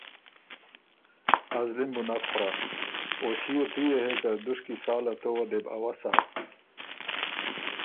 ازلی م بُو نک خورَۀ او ݭيې تُو يې هې که دُشکی ساله تووه دې بو اؤسا